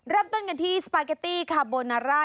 เริ่มต้นกันที่สปาเกตตี้คาโบนาร่า